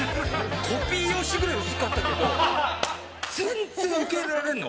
コピー用紙ぐらい薄かったけど全然受け入れられるの。